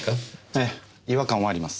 ええ違和感はあります。